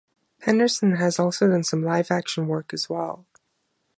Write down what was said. Henderson has also done some live-action work as well.